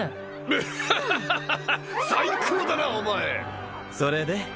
ブハハハハハ最高だなお前それで？